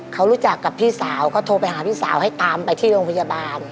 เขารู้จักกับพี่สาวเขาโทรไปหาพี่สาวให้ตามไปที่โรงพยาบาล